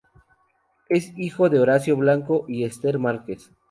Es hijo de Horacio Blanco y Ester Márquez.